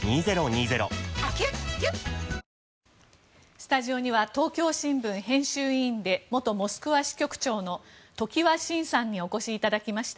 スタジオには東京新聞編集委員で元モスクワ支局長の常盤伸さんにお越しいただきました。